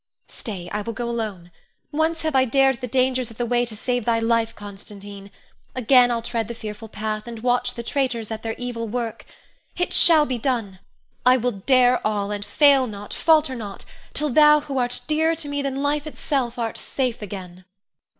Stay! I will go alone. Once have I dared the dangers of the way to save thy life, Constantine; again I'll tread the fearful path, and watch the traitors at their evil work. It shall be done! I will dare all, and fail not, falter not, till thou who art dearer to me than life itself art safe again.